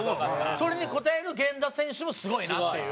それに応える源田選手もすごいなっていう。